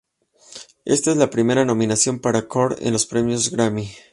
Esta es la primera nominación para Korn en los premios Grammy.